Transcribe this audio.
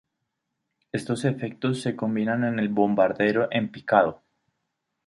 Estos efectos se combinan en el bombardero en picado.